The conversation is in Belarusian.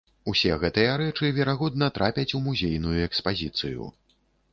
Усе гэтыя рэчы верагодна трапяць у музейную экспазіцыю.